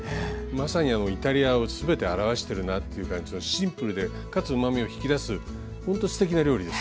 まさにイタリアを全て表してるなっていう感じのシンプルでかつうまみを引き出すほんとすてきな料理です。